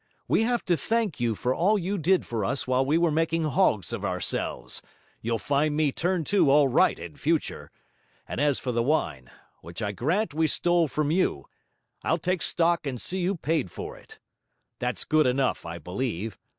We have to thank you for all you did for us while we were making hogs of ourselves; you'll find me turn to all right in future; and as for the wine, which I grant we stole from you, I'll take stock and see you paid for it. That's good enough, I believe.